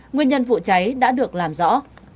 nguyên nhân vụ cháy đã được làm rõ